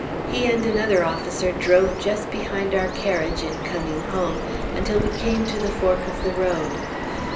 He and another officer drove just behind our carriage in coming home, until we came to the fork of the road.